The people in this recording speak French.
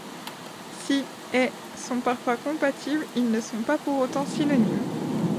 Si et sont parfois compatibles, ils ne sont pas pour autant synonymes.